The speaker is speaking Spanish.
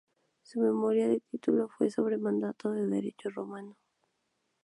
Su memoria de título fue sobre mandato de derecho romano.